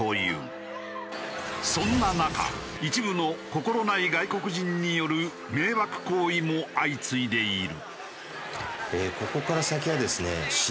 そんな中一部の心ない外国人による迷惑行為も相次いでいる。